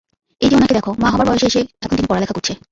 এই যে উনাকে দেখো, মা হবার বয়সে এসে এখন তিনি পড়ালেখা করছে!